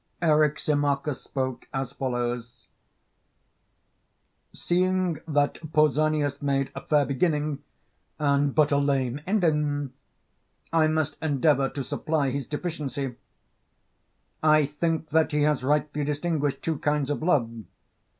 Eryximachus spoke as follows: Seeing that Pausanias made a fair beginning, and but a lame ending, I must endeavour to supply his deficiency. I think that he has rightly distinguished two kinds of love.